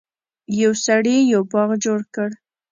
یو سړي یو باغ جوړ کړ.